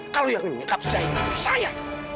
kalau yang mengekap saya itu saya